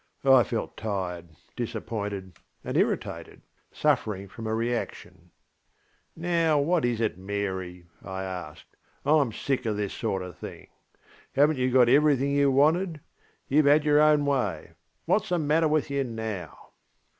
I felt tired, disappointed, and irritatedŌĆösuffering from a reaction. ŌĆśNow, what is it, Mary? ŌĆÖ I asked; ŌĆśIŌĆÖm sick of this sort of thing. HavenŌĆÖt you got everything you wanted? YouŌĆÖve had your own way. WhatŌĆÖs the matter with you now?